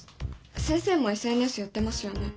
先生もＳＮＳやってますよね？